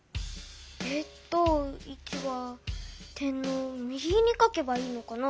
えっと１は点の右に書けばいいのかな？